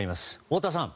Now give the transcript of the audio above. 太田さん。